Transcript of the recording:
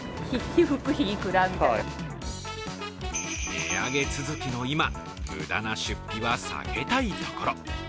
値上げ続きの今、無駄な出費は避けたいところ。